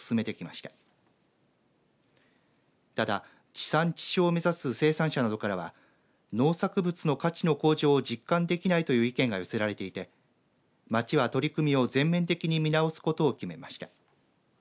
ただ、地産地消を目指す生産者などからは農作物の価値の向上を実感できないという意見が寄せられていて町は取り組みを全面的に見直すことを決めました。